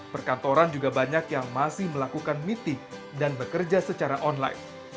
perkantoran juga banyak yang masih melakukan meeting dan bekerja secara online